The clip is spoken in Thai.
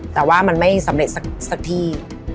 แต่ว่ามันไม่สำเร็จสักที่